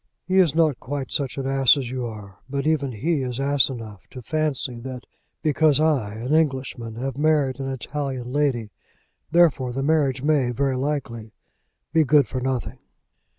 He is not quite such an ass as you are; but even he is ass enough to fancy that because I, an Englishman, have married an Italian lady, therefore the marriage may, very likely, be good for nothing."